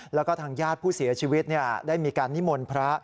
แล้วก็ทางญาติผู้เสียชีวิตได้มีการนิมนต์พระ